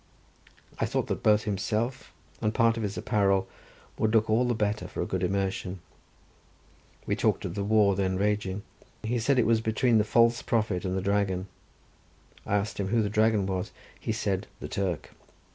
I thought that both himself and part of his apparel would look all the better for a good immersion. We talked of the war then raging—he said it was between the false prophet and the Dragon. I asked him who the Dragon was—he said the Turk.